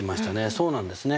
そうなんですね。